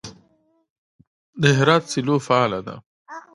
د هرات سیلو فعاله ده.